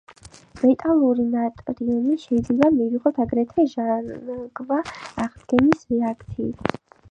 მეტალური ნატრიუმი შეიძლება მივიღოთ აგრეთვე ჟანგვა-აღდგენის რეაქციით.